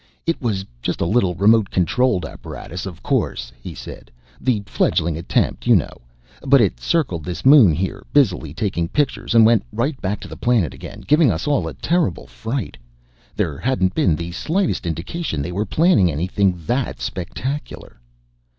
"It was just a little remote controlled apparatus, of course," he said. "The fledgling attempt, you know. But it circled this Moon here, busily taking pictures, and went right back to the planet again, giving us all a terrible fright. There hadn't been the slightest indication they were planning anything that spectacular."